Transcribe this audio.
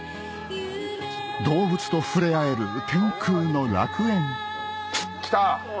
動物と触れ合える天空の楽園きた！